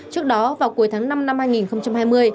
trước đó vào cuối tháng năm năm hai nghìn hai mươi